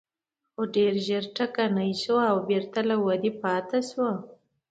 خو ډېر ژر ټکنۍ شوه او بېرته له ودې پاتې شوه.